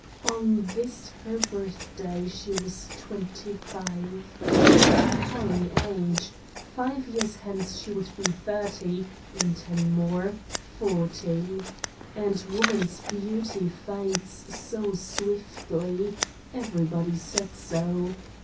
On this her birthday she was twenty five. Appalling age! Five years hence she would be thirty, in ten more—forty! And woman's beauty fades so swiftly: everybody said so.